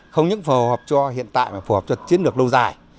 không những phù hợp cho hiện tại mà phù hợp cho chiến lược lâu dài